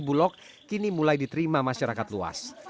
bulog kini mulai diterima masyarakat luas